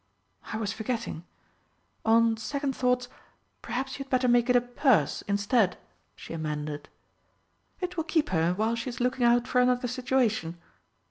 "I was forgetting. On second thoughts, perhaps you had better make it a purse instead," she amended. "It will keep her while she is looking out for another situation."